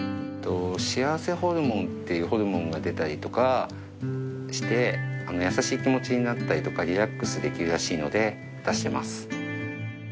幸せホルモンっていうホルモンが出たりとかして優しい気持ちになったりとかリラックスできるらしいので出してます。